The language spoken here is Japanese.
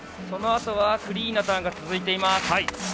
そのあとはクリーンなターンが続いています。